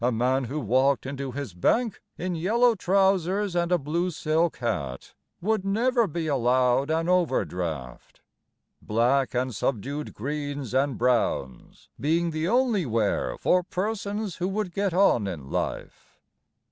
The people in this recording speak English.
A man who walked into his bank In yellow trousers and a blue silk hat Would never be allowed an overdraft, Black and subdued greens and browns being the only wear For persons who would get on in life.